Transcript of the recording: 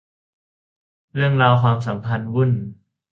เรื่องราวความสัมพันธ์วุ่น